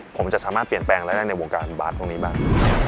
ผมจะสามารถเปลี่ยนแปลงรายได้ในวงการบาทตรงนี้บ้าง